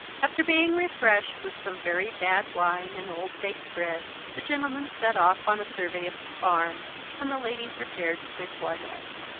After being refreshed with some very bad wine and old baked bread, the gentlemen set off on a survey of the farm, and the ladies repaired to their toilets.